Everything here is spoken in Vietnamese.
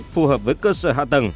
phù hợp với cơ sở hạ tầng